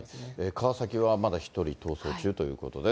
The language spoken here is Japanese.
川崎はまだ１人逃走中ということです。